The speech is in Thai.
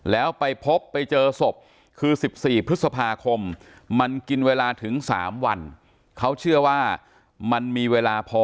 แล้วไปพบไปเจอศพคือ๑๔พฤษภาคมมันกินเวลาถึง๓วันเขาเชื่อว่ามันมีเวลาพอ